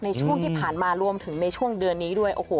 ในช่วงที่ผ่านมารวมถึงในช่วงเดือนนี้ด้วยโอ้โห